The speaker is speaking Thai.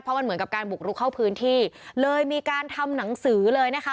เพราะมันเหมือนกับการบุกลุกเข้าพื้นที่เลยมีการทำหนังสือเลยนะคะ